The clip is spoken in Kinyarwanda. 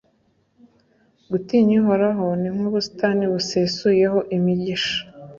gutinya uhoraho ni nk'ubusitani busesuyeho imigisha